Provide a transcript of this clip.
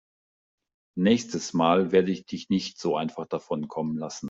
Nächstes Mal werde ich dich nicht so einfach davonkommen lassen.